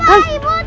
bapak ibu tolong